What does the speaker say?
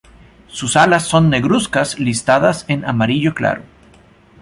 Sus alas son negruzcas listadas en amarillo claro.